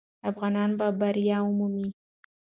افغانان به بری ومومي.